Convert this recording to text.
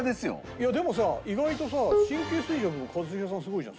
いやでもさ意外とさ神経衰弱も一茂さんすごいじゃん。